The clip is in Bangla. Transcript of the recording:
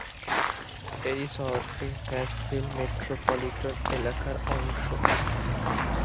এই শহরটি ন্যাশভিল মেট্রোপলিটন এলাকার অংশ।